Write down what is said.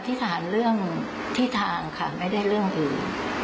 ที่ฐานเรื่องที่ทางค่ะไม่ได้เรื่องอื่น